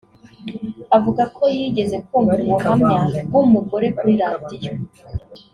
Avuga ko yigeze kumva ubuhamya bw’umugore kuri radiyo